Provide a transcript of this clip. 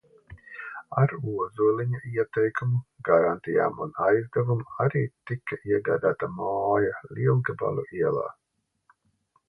Ar Ozoliņa ieteikumu, garantijām un aizdevumu arī tika iegādāta māja Lielgabalu ielā.